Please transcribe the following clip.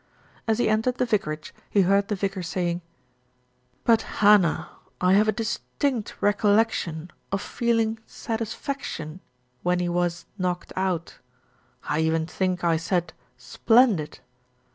As he entered the vicarage, he heard the vicar saying : "But, Hannah, I have a distinct recollection of feel ing satisfaction when he was knocked out. I even think I said 'Splendid